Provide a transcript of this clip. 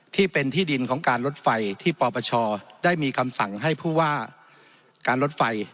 ที่เป็นที่ดินของการลดไฟที่ปปชได้มีคำสั่งให้ผู้ว่าการลดไฟ